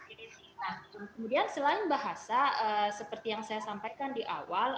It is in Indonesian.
nah kemudian selain bahasa seperti yang saya sampaikan di awal